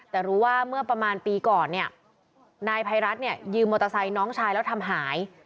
แต่รู้ว่าเมื่อประมาณปีก่อนเนี่ยนายภัยรัฐเนี่ยยืมมอเตอร์ไซค์น้องชายแล้วทำหาย